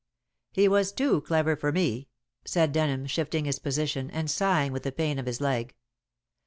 "He was too clever for me," said Denham, shifting his position, and sighing with the pain of his leg.